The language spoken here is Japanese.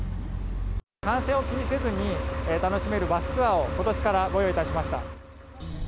感染を気にせずに、楽しめるバスツアーを、ことしからご用意いたしました。